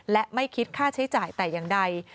และไม่คิดค่าใช้จ่ายแต่อย่างใด